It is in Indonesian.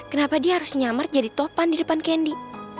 kenapa dia harus nyamar jadi topan di depan kendi